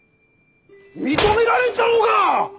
認められんじゃろうが！